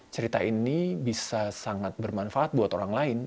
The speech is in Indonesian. cerita ini bisa sangat bermanfaat buat orang lain